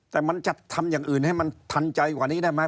แต่มันจะทำอย่างอื่นให้มันทันใจกว่านี้ได้ไหม